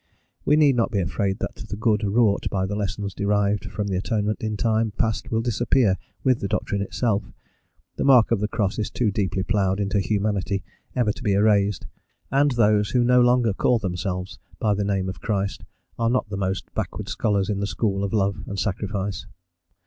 We need not be afraid that the good wrought by the lessons derived from the Atonement in time past will disappear with the doctrine itself; the mark of the Cross is too deeply ploughed into humanity ever to be erased, and those who no longer call themselves by the name of Christ are not the most backward scholars in the school of love and sacrifice.